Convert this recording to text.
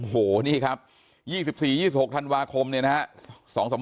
โอ้โหนี่ครับ๒๔๒๖ธันวาคมเนี่ยนะฮะ